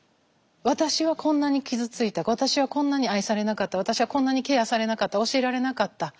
私はこんなに傷ついた私はこんなに愛されなかった私はこんなにケアされなかった教えられなかった。